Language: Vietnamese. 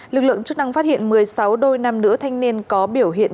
lực lượng chức năng phát hiện một mươi sáu đôi nam nữ thanh niên có biểu hiện